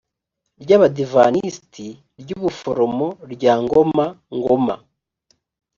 ry abadivantisiti ry ubuforomo rya ngoma ngoma